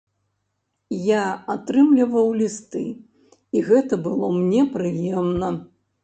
Я атрымліваў лісты, і гэта было мне прыемна.